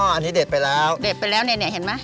อันนี้เด็ดไปแล้วเด็ดไปแล้วเนี่ยเห็นไหม